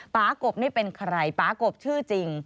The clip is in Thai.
ปากบนี่เป็นใครป๊ากบชื่อจริง